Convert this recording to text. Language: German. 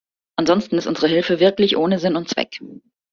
Ansonsten ist unsere Hilfe wirklich ohne Sinn und Zweck.